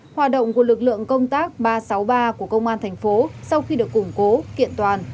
hòa động của lực lượng công tác ba trăm sáu mươi ba của công an tp hcm sau khi được củng cố kiện toàn